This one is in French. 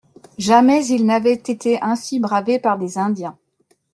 Jamais ils n'avaient été ainsi bravés par des Indiens.